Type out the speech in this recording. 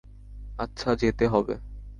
আচ্ছা, যেতে হবে।